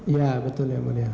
ya betul ya mulia